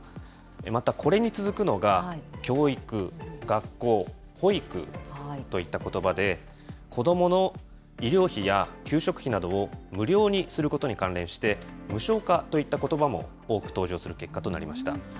またこれに続くのが、教育、学校、保育といったことばで、子どもの医療費や給食費などを無料にすることに関連して、無償化といったことばも多く登場する結果となりました。